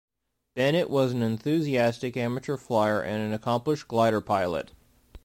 Bennett was an enthusiastic amateur flier and an accomplished glider pilot.